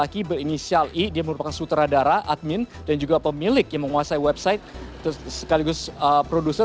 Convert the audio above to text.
laki berinisial i dia merupakan sutradara admin dan juga pemilik yang menguasai website sekaligus produser